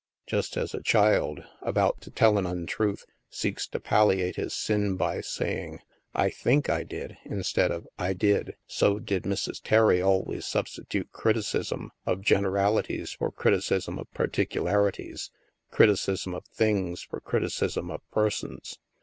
Just as a child, about to tell an untruth, seeks to palliate his sin by saying, " I think I did," instead of " I did," so did Mrs. Terry always substitute criticism of generalities for criticism of particularities, criti cism of things for criticism of persons.